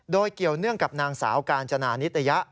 โดยเกี่ยวเนื่องกับนางสาวกาญจนานิตยะ